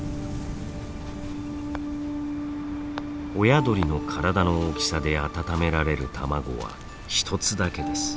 親鳥の体の大きさで温められる卵は１つだけです。